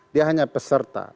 dia hanya peserta